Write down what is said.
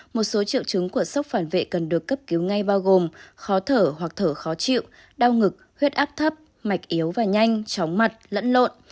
một số triệu chứng của sốc phản vệ cần được cấp cứu ngay bao gồm khó thở hoặc thở khó chịu đau ngực huyết áp thấp mạch yếu và nhanh chóng mặt lẫn lộn